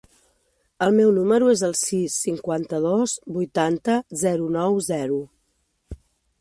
El meu número es el sis, cinquanta-dos, vuitanta, zero, nou, zero.